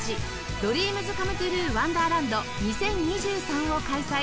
ＤＲＥＡＭＳＣＯＭＥＴＲＵＥＷＯＮＤＥＲＬＡＮＤ２０２３」を開催